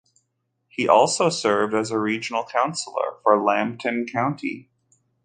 He also served as a regional councillor for Lambton County.